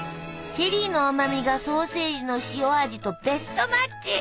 チェリーの甘みがソーセージの塩味とベストマッチ。